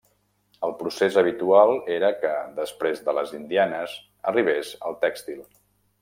El procés habitual era que, després de les indianes, arribés el tèxtil.